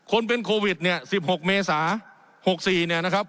คนเป็นโควิดเนี่ย๑๖เมษา๖๔เนี่ยนะครับ